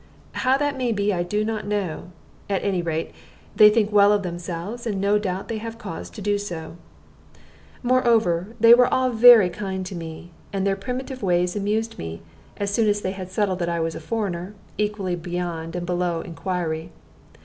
How that may be I do not know; at any rate, they think well of themselves, and no doubt they have cause to do so. Moreover, they all were very kind to me, and their primitive ways amused me, as soon as they had settled that I was a foreigner, equally beyond and below inquiry.